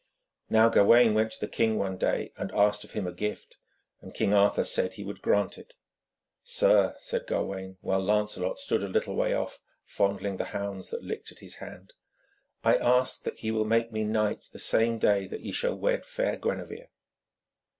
Now Gawaine went to the king one day, and asked of him a gift, and King Arthur said he would grant it. 'Sir,' said Gawaine, while Lancelot stood a little way off, fondling the hounds that licked at his hand, 'I ask that ye will make me knight the same day that ye shall wed fair Gwenevere.'